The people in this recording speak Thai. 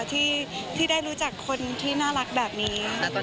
ที่ได้รู้จักคนที่น่ารักแบบนี้